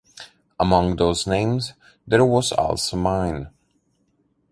Among those names, there was also mine.